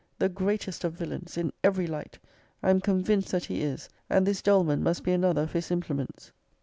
the greatest of villains, in every light! I am convinced that he is. And this Doleman must be another of his implements!